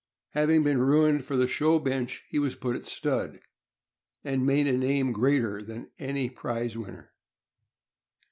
Having been ruined for the show bench, he was put at stud, and made a name greater than any prize winner.